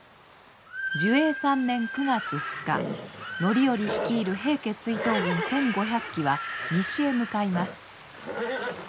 寿永３年９月２日範頼率いる平家追討軍１，５００騎は西へ向かいます。